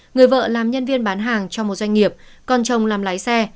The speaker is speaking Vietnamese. người vợ làm nhân viên bán hàng cho một doanh nghiệp còn chồng làm lái xe